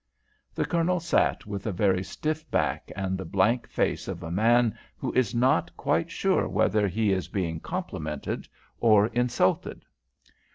The Colonel sat with a very stiff back and the blank face of a man who is not quite sure whether he is being complimented or insulted.